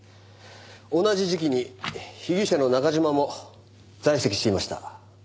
同じ時期に被疑者の中嶋も在籍していました。